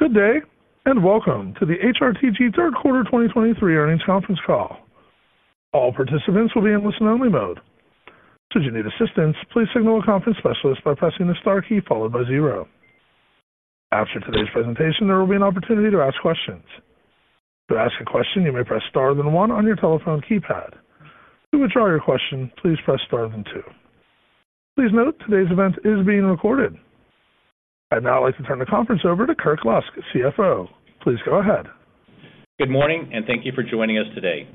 Good day, and welcome to the HRTG Q3 2023 Earnings Conference Call. All participants will be in listen-only mode. Should you need assistance, please signal a conference specialist by pressing the star key followed by zero. After today's presentation, there will be an opportunity to ask questions. To ask a question, you may press Star, then one on your telephone keypad. To withdraw your question, please press Star, then two. Please note, today's event is being recorded. I'd now like to turn the conference over to Kirk Lusk, CFO. Please go ahead. Good morning, and thank you for joining us today.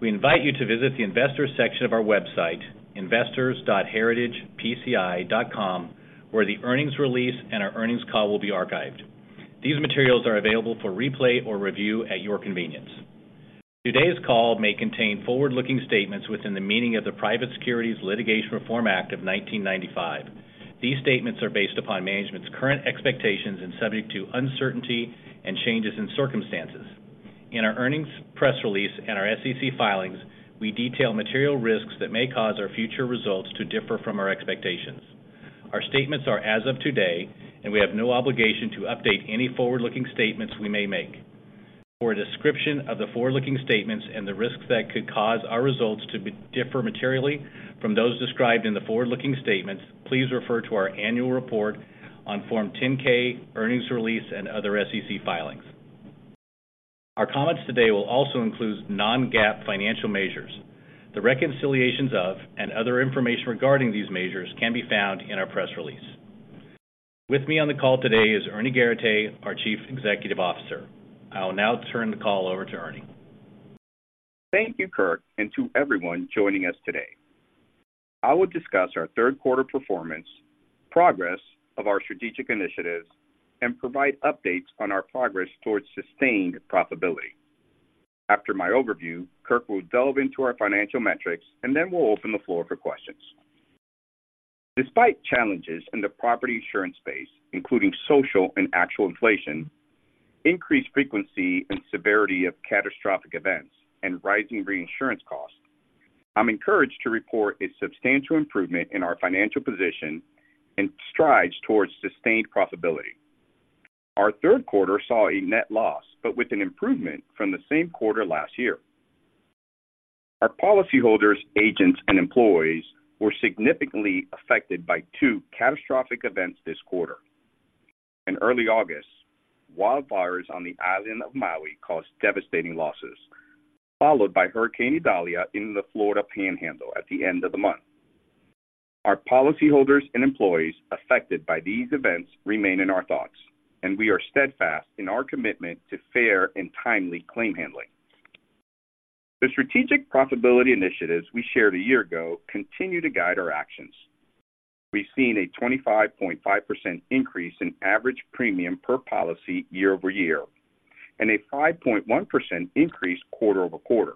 We invite you to visit the investors section of our website, investors.heritagepci.com, where the earnings release and our earnings call will be archived. These materials are available for replay or review at your convenience. Today's call may contain forward-looking statements within the meaning of the Private Securities Litigation Reform Act of 1995. These statements are based upon management's current expectations and subject to uncertainty and changes in circumstances. In our earnings press release and our SEC filings, we detail material risks that may cause our future results to differ from our expectations. Our statements are as of today, and we have no obligation to update any forward-looking statements we may make. For a description of the forward-looking statements and the risks that could cause our results to differ materially from those described in the forward-looking statements, please refer to our annual report on Form 10-K, earnings release and other SEC filings. Our comments today will also include non-GAAP financial measures. The reconciliations of and other information regarding these measures can be found in our press release. With me on the call today is Ernie Garateix, our Chief Executive Officer. I will now turn the call over to Ernie. Thank you, Kirk, and to everyone joining us today. I will discuss our Q3 performance, progress of our strategic initiatives, and provide updates on our progress towards sustained profitability. After my overview, Kirk will delve into our financial metrics, and then we'll open the floor for questions. Despite challenges in the property insurance space, including social and actual inflation, increased frequency and severity of catastrophic events, and rising reinsurance costs, I'm encouraged to report a substantial improvement in our financial position and strides towards sustained profitability. Our Q3 saw a net loss, but with an improvement from the same quarter last year. Our policyholders, agents, and employees were significantly affected by two catastrophic events this quarter. In early August, wildfires on the island of Maui caused devastating losses, followed by Hurricane Idalia in the Florida Panhandle at the end of the month. Our policyholders and employees affected by these events remain in our thoughts, and we are steadfast in our commitment to fair and timely claim handling. The strategic profitability initiatives we shared a year ago continue to guide our actions. We've seen a 25.5% increase in average premium per policy year-over-year, and a 5.1% increase quarter-over-quarter.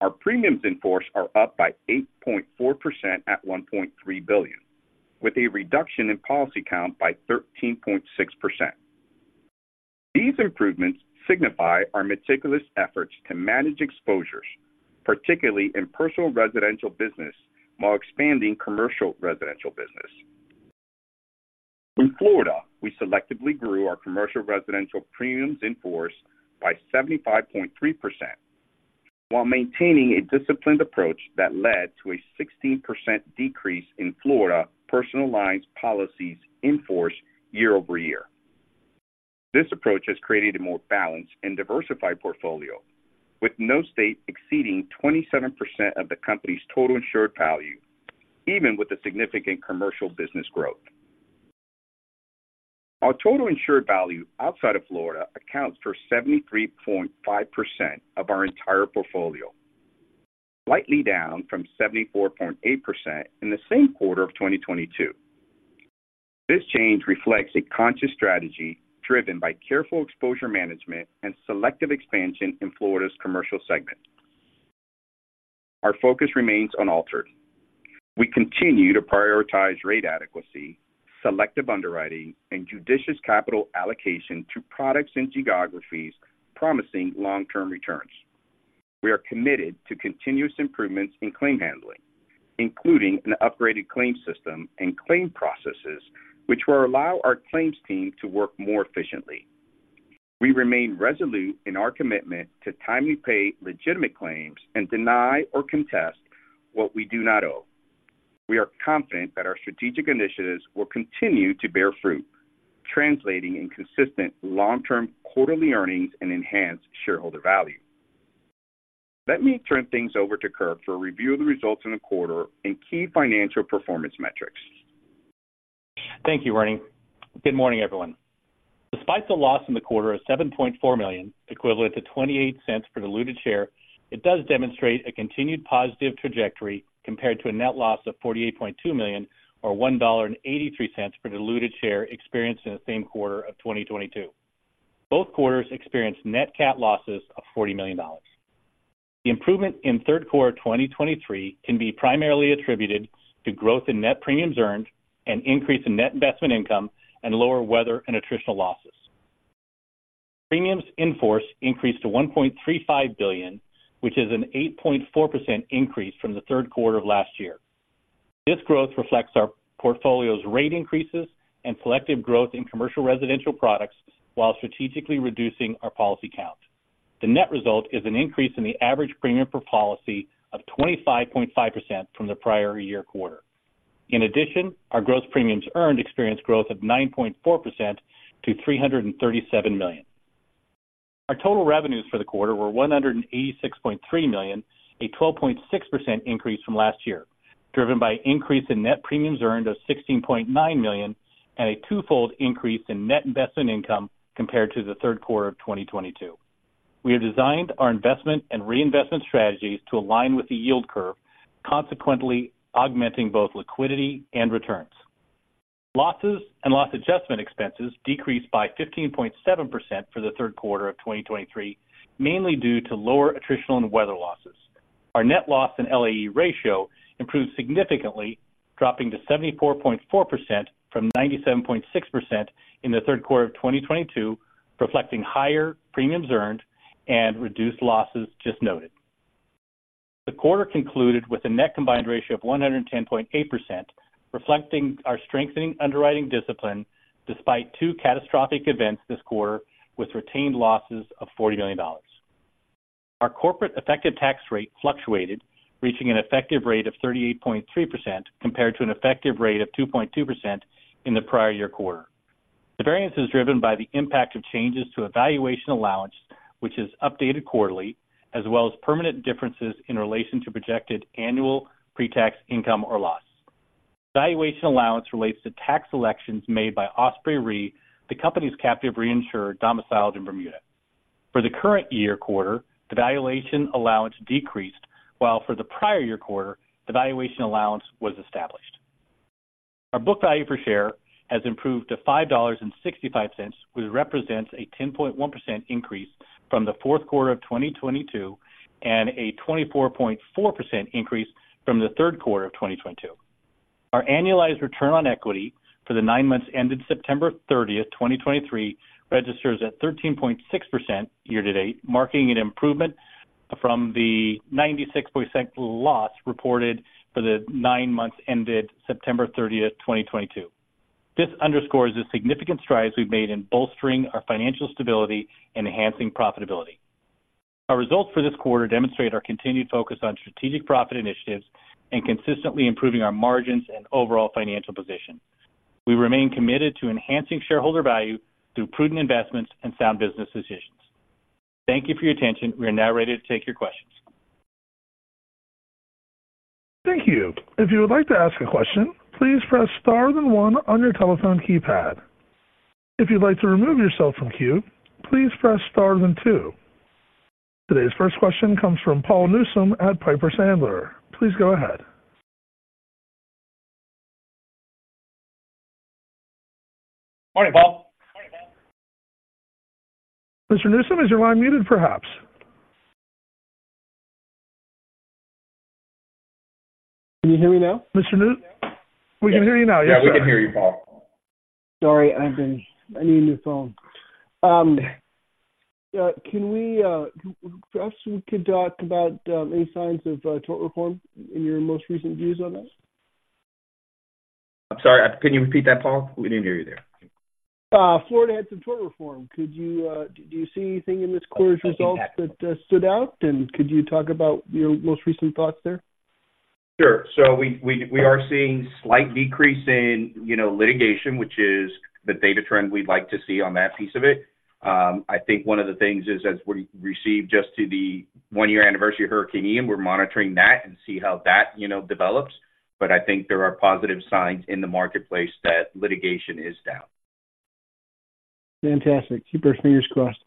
Our premiums in force are up by 8.4% at $1.3 billion, with a reduction in policy count by 13.6%. These improvements signify our meticulous efforts to manage exposures, particularly in personal residential business, while expanding commercial residential business. In Florida, we selectively grew our commercial residential premiums in force by 75.3%, while maintaining a disciplined approach that led to a 16% decrease in Florida personal lines policies in force year-over-year. This approach has created a more balanced and diversified portfolio, with no state exceeding 27% of the company's total insured value, even with the significant commercial business growth. Our total insured value outside of Florida accounts for 73.5% of our entire portfolio, slightly down from 74.8% in the same quarter of 2022. This change reflects a conscious strategy driven by careful exposure management and selective expansion in Florida's commercial segment. Our focus remains unaltered. We continue to prioritize rate adequacy, selective underwriting, and judicious capital allocation to products and geographies, promising long-term returns. We are committed to continuous improvements in claim handling, including an upgraded claim system and claim processes, which will allow our claims team to work more efficiently. We remain resolute in our commitment to timely pay legitimate claims and deny or contest what we do not owe. We are confident that our strategic initiatives will continue to bear fruit, translating in consistent long-term quarterly earnings and enhanced shareholder value. Let me turn things over to Kirk for a review of the results in the quarter and key financial performance metrics. Thank you, Ernie. Good morning, everyone. Despite the loss in the quarter of $7.4 million, equivalent to $0.28 per diluted share, it does demonstrate a continued positive trajectory compared to a net loss of $48.2 million, or $1.83 per diluted share experienced in the same quarter of 2022. Both quarters experienced net cat losses of $40 million. The improvement in Q3 of 2023 can be primarily attributed to growth in net premiums earned and increase in net investment income and lower weather and attritional losses. Premiums in force increased to $1.35 billion, which is an 8.4% increase from the Q3 of last year. This growth reflects our portfolio's rate increases and selective growth in commercial residential products while strategically reducing our policy count. The net result is an increase in the average premium per policy of 25.5% from the prior year quarter. In addition, our gross premiums earned experienced growth of 9.4% to $337 million. Our total revenues for the quarter were $186.3 million, a 12.6% increase from last year, driven by increase in net premiums earned of $16.9 million and a twofold increase in net investment income compared to the Q3 of 2022. We have designed our investment and reinvestment strategies to align with the yield curve, consequently augmenting both liquidity and returns. Losses and loss adjustment expenses decreased by 15.7% for the Q3 of 2023, mainly due to lower attritional and weather losses. Our net loss and LAE ratio improved significantly, dropping to 74.4% from 97.6% in the Q3 of 2022, reflecting higher premiums earned and reduced losses just noted. The quarter concluded with a net combined ratio of 110.8%, reflecting our strengthening underwriting discipline despite two catastrophic events this quarter, with retained losses of $40 million. Our corporate effective tax rate fluctuated, reaching an effective rate of 38.3% compared to an effective rate of 2.2% in the prior year quarter. The variance is driven by the impact of changes to valuation allowance, which is updated quarterly, as well as permanent differences in relation to projected annual pretax income or loss. Valuation allowance relates to tax elections made by Osprey Re, the company's captive reinsurer, domiciled in Bermuda. For the current year quarter, the valuation allowance decreased, while for the prior year quarter, the valuation allowance was established. Our book value per share has improved to $5.65, which represents a 10.1% increase from the Q4 of 2022, and a 24.4% increase from the Q3 of 2022. Our annualized return on equity for the nine months ended September 30, 2023, registers at 13.6% year to date, marking an improvement from the 96.6 loss reported for the nine months ended September 30, 2022. This underscores the significant strides we've made in bolstering our financial stability and enhancing profitability. Our results for this quarter demonstrate our continued focus on strategic profit initiatives and consistently improving our margins and overall financial position. We remain committed to enhancing shareholder value through prudent investments and sound business decisions. Thank you for your attention. We are now ready to take your questions. Thank you. If you would like to ask a question, please press star then one on your telephone keypad. If you'd like to remove yourself from queue, please press star then two. Today's first question comes from Paul Newsome at Piper Sandler. Please go ahead. Morning, Paul. Morning, Paul. Mr. Newsome, is your line muted, perhaps? Can you hear me now? Mr. Newsome... We can hear you now. Yeah, we can hear you, Paul. Sorry, I've been... I need a new phone. Can we perhaps we could talk about any signs of tort reform in your most recent views on that? I'm sorry, can you repeat that, Paul? We didn't hear you there. Florida had some tort reform. Could you do you see anything in this quarter's results that stood out? And could you talk about your most recent thoughts there? Sure. So we are seeing slight decrease in, you know, litigation, which is the data trend we'd like to see on that piece of it. I think one of the things is, as we receive just to the one-year anniversary of Hurricane Ian, we're monitoring that and see how that, you know, develops. But I think there are positive signs in the marketplace that litigation is down. Fantastic. Keep our fingers crossed.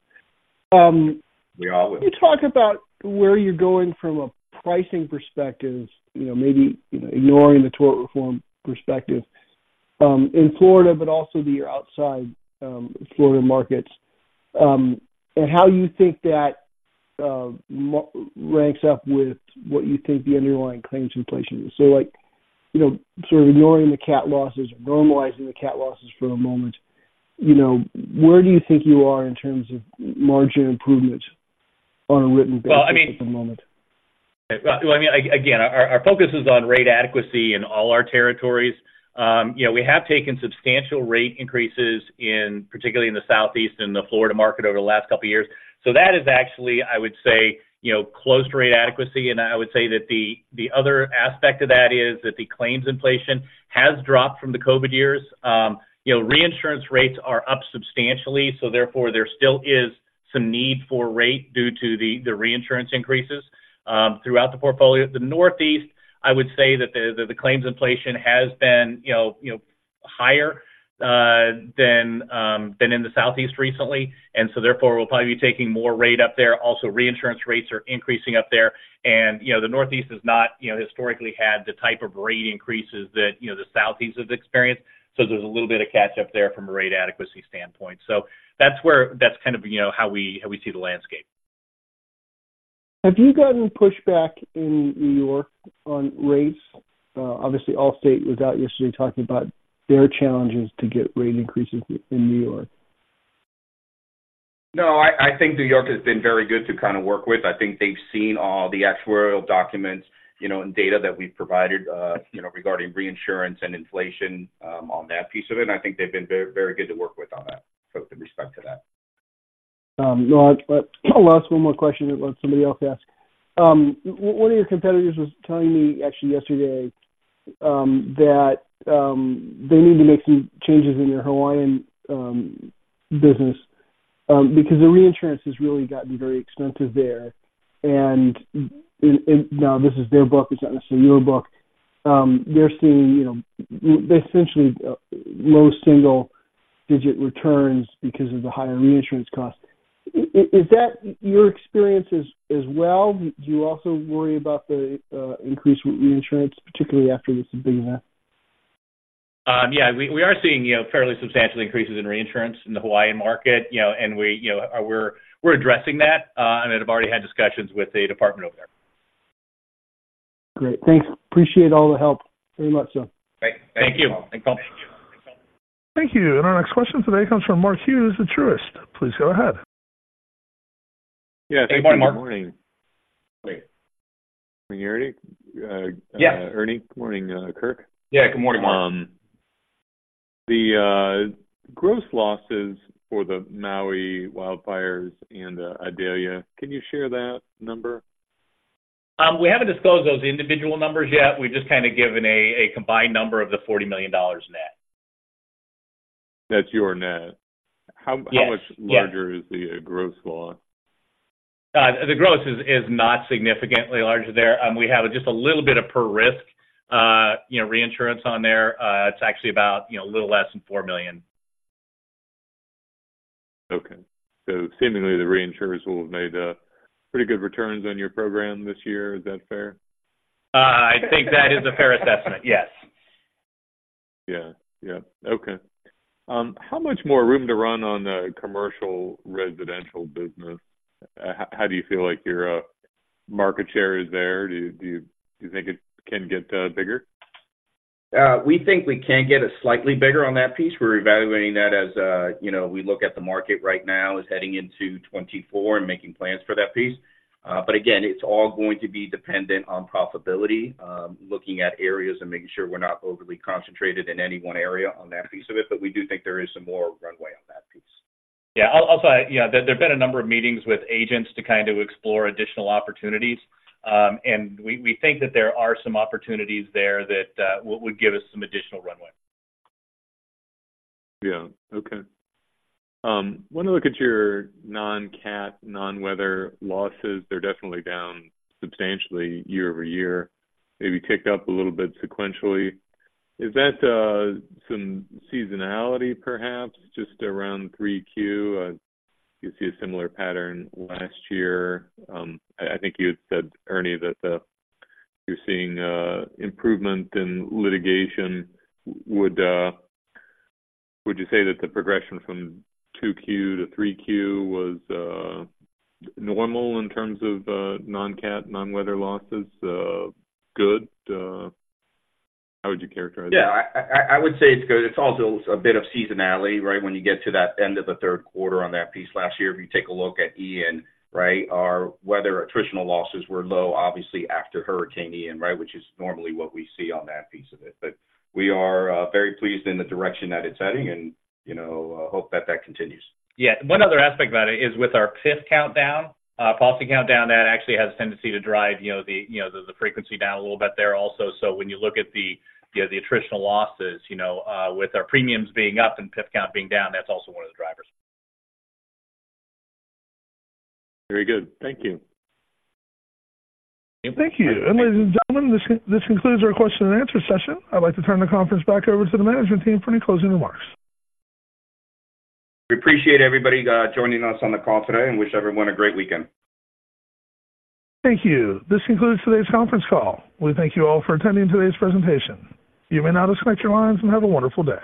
We always- Can you talk about where you're going from a pricing perspective, you know, maybe, you know, ignoring the tort reform perspective, in Florida, but also the outside, Florida markets, and how you think that ranks up with what you think the underlying claims inflation is? So like, you know, sort of ignoring the cat losses, normalizing the cat losses for a moment, you know, where do you think you are in terms of margin improvement on a written basis at the moment? Well, I mean, again, our, our focus is on rate adequacy in all our territories. You know, we have taken substantial rate increases in, particularly in the Southeast and the Florida market over the last couple of years. So that is actually, I would say, you know, close to rate adequacy, and I would say that the, the other aspect of that is that the claims inflation has dropped from the COVID years. You know, reinsurance rates are up substantially, so therefore, there still is some need for rate due to the, the reinsurance increases, throughout the portfolio. The Northeast, I would say that the, the claims inflation has been, you know, you know, higher, than, than in the Southeast recently, and so therefore, we'll probably be taking more rate up there. Also, reinsurance rates are increasing up there, and you know, the Northeast has not, you know, historically had the type of rate increases that, you know, the Southeast has experienced. So there's a little bit of catch-up there from a rate adequacy standpoint. So that's where, that's kind of, you know, how we, how we see the landscape. Have you gotten pushback in New York on rates? Obviously, Allstate was out yesterday talking about their challenges to get rate increases in New York. No, I think New York has been very good to kind of work with. I think they've seen all the actuarial documents, you know, and data that we've provided, you know, regarding reinsurance and inflation, on that piece of it, and I think they've been very, very good to work with on that, so with respect to that. No, but I'll ask one more question that somebody else asked. One of your competitors was telling me actually yesterday that they need to make some changes in their Hawaiian business because the reinsurance has really gotten very expensive there. And now this is their book; it's not necessarily your book. They're seeing, you know, essentially low single-digit returns because of the higher reinsurance cost. Is that your experience as well? Do you also worry about the increased reinsurance, particularly after this big event? Yeah, we are seeing, you know, fairly substantial increases in reinsurance in the Hawaiian market, you know, and we, you know, we're addressing that, and have already had discussions with the department over there. Great, thanks. Appreciate all the help. Very much so. Great. Thank you. Thank you. Thank you. And our next question today comes from Mark Hughes at Truist. Please go ahead. Yeah. Good morning, Mark. Good morning. Morning, Ernie. Yeah. Ernie, good morning, Kirk. Yeah, good morning, Mark. The gross losses for the Maui wildfires and Idalia, can you share that number? We haven't disclosed those individual numbers yet. We've just kind of given a combined number of the $40 million net. That's your net. Yes. How much larger is the gross loss? The gross is not significantly larger there. We have just a little bit of per risk reinsurance on there. It's actually about, you know, a little less than $4 million. Okay. So seemingly, the reinsurers will have made pretty good returns on your program this year. Is that fair? I think that is a fair assessment, yes. Yeah. Yeah. Okay. How much more room to run on the commercial residential business? How do you feel like your market share is there? Do you think it can get bigger? We think we can get it slightly bigger on that piece. We're evaluating that as, you know, we look at the market right now as heading into 2024 and making plans for that piece. But again, it's all going to be dependent on profitability, looking at areas and making sure we're not overly concentrated in any one area on that piece of it. But we do think there is some more runway on that piece. Yeah. I'll, I'll say, yeah, there's been a number of meetings with agents to kind of explore additional opportunities. And we, we think that there are some opportunities there that would give us some additional runway. Yeah. Okay. When I look at your non-cat, non-weather losses, they're definitely down substantially year-over-year, maybe ticked up a little bit sequentially. Is that some seasonality, perhaps just around Q3? You see a similar pattern last year. I, I think you had said, Ernie, that you're seeing improvement in litigation. Would you say that the progression from Q2 to Q3 was normal in terms of non-cat, non-weather losses? Good, how would you characterize it? Yeah, I would say it's good. It's also a bit of seasonality, right? When you get to that end of the Q3 on that piece last year, if you take a look at Ian, right, our weather attritional losses were low, obviously, after Hurricane Ian, right, which is normally what we see on that piece of it. But we are very pleased in the direction that it's heading and, you know, hope that that continues. Yeah. One other aspect about it is with our PIF count down, policy countdown, that actually has a tendency to drive, you know, the, you know, the frequency down a little bit there also. So when you look at the, you know, the attritional losses, you know, with our premiums being up and PIF count being down, that's also one of the drivers. Very good. Thank you. Thank you. Ladies and gentlemen, this concludes our question and answer session. I'd like to turn the conference back over to the management team for any closing remarks. We appreciate everybody joining us on the call today, and wish everyone a great weekend. Thank you. This concludes today's Conference Call. We thank you all for attending today's presentation. You may now disconnect your lines, and have a wonderful day.